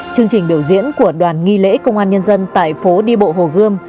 chương trình biểu diễn của đoàn nghi lễ công an nhân dân tại phố đi bộ hồ gươm